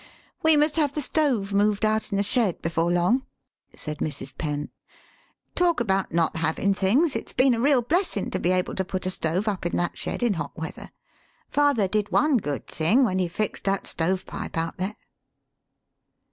] "We must have the stove moved out in the shed before long," said Mrs. Penn. " Talk about not havin' things, it's been a real blessin' to be able to put a stove up in that shed in hot weath er. Father did one good thing when he fixed that stove pipe out there."